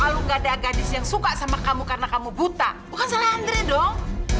kalau gak ada gadis yang suka sama kamu karena kamu buta bukan salah andre dong